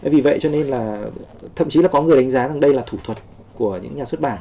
vì vậy cho nên là thậm chí là có người đánh giá rằng đây là thủ thuật của những nhà xuất bản